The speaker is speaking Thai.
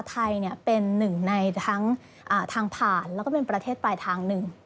ไทยเป็นหนึ่งในทั้งทางผ่านแล้วก็เป็นประเทศปลายทางหนึ่ง